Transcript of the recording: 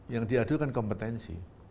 yang diadu kan kompetensi